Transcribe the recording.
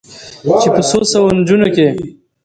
چې په څو سوو نجونو کې